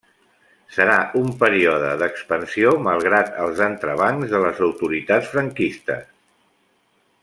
Serà un període d'expansió malgrat els entrebancs de les autoritats franquistes.